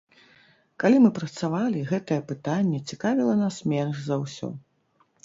Калі мы працавалі, гэтае пытанне цікавіла нас менш за ўсё.